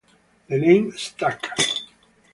The name stuck.